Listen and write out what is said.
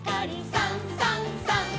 「さんさんさん」